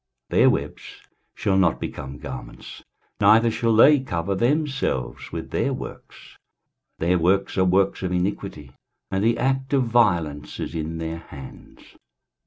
23:059:006 Their webs shall not become garments, neither shall they cover themselves with their works: their works are works of iniquity, and the act of violence is in their hands.